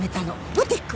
ブティック。